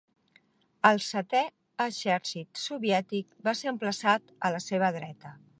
El Setè Exèrcit soviètic va ser emplaçat a la seva dreta.